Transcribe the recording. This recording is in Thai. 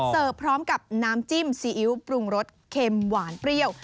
พร้อมกับน้ำจิ้มซีอิ๊วปรุงรสเค็มหวานเปรี้ยว